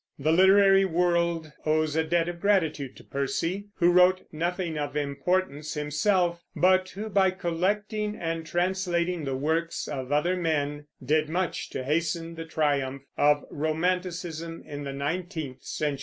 The literary world owes a debt of gratitude to Percy, who wrote nothing of importance himself, but who, by collecting and translating the works of other men, did much to hasten the triumph of Romanticism in the nineteenth century.